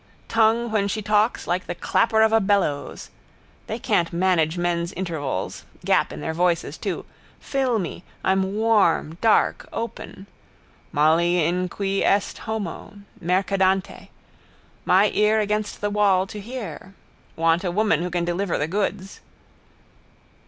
Tongue when she talks like the clapper of a bellows. They can't manage men's intervals. Gap in their voices too. Fill me. I'm warm, dark, open. Molly in quis est homo: Mercadante. My ear against the wall to hear. Want a woman who can deliver the goods.